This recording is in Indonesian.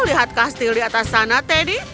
lihat kastil di atas sana teddy